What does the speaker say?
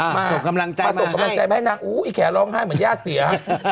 มาส่งกำลังใจมาให้อุ้วไอ้แขลร้องไห้เหมือนญาติเสีย